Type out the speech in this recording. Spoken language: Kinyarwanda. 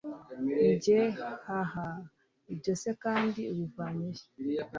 njye hahaha! ibyo se kandi ubivanye hehe